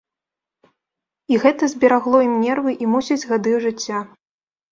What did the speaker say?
І гэта зберагло ім нервы і, мусіць, гады жыцця.